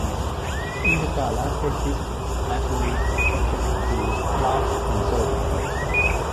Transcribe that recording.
Intergalactic distance measurements are subject to large uncertainties.